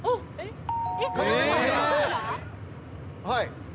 はい。